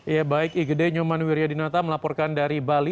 ya baik igede nyoman wiryadinota melaporkan dari bali